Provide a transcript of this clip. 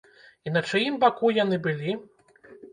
І на чыім баку яны былі?